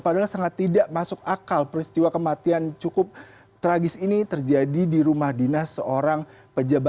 padahal sangat tidak masuk akal peristiwa kematian cukup tragis ini terjadi di rumah dinas seorang pejabat